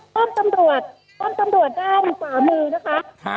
ต้นสำดวจต้นสำดวจด้านขวามือนะคะค่ะ